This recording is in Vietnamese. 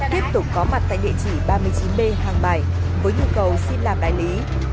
tiếp tục có mặt tại địa chỉ ba mươi chín b hàng bài với nhu cầu xin làm đại lý